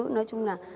nói chung là